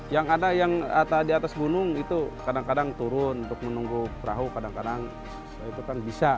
yang ada yang di atas gunung itu kadang kadang turun untuk menunggu perahu kadang kadang itu kan bisa